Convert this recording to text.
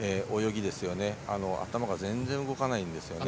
頭が全然動かないんですよね。